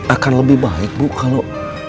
akan lebih baik bu kalau